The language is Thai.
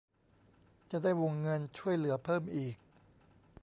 จะได้วงเงินช่วยเหลือเพิ่มอีก